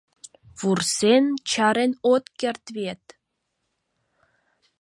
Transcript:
Вурсен, чарен от керт вет...